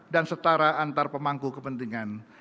dan setara antar pemangku kepentingan